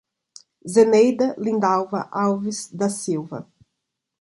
Zeneida Lindalva Alves da Silva